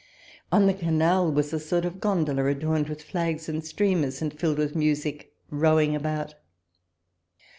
On the canal was a sort of gondola, adorned with flags and streamers, and filled with music, rowing about.